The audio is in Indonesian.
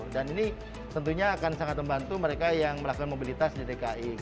dan ini tentunya akan sangat membantu mereka yang melakukan mobilitas di dki